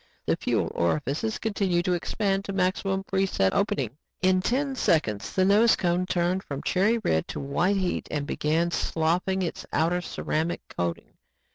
The fuel orifices continued to expand to maximum pre set opening. In ten seconds the nose cone turned from cherry red to white heat and began sloughing its outer ceramic coating.